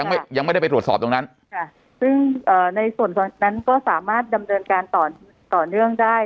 ยังไม่แช็งไม่ไปทดสอบตรงนั้นซึ่งในศพสองนั้นก็สามารถดำเนินการต่อต่อเรื่องได้